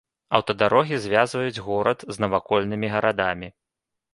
Аўтадарогі звязваюць горад з навакольнымі гарадамі.